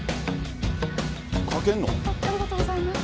ありがとうございます。